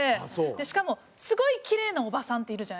しかもすごいキレイなおばさんっているじゃないですか。